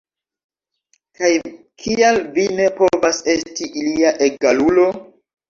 Kaj kial vi ne povas esti ilia egalulo?